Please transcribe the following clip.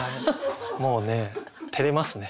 もうねてれますね。